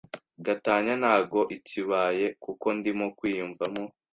Gatanya ntago ikibaye kuko ndimo kwiyumvamo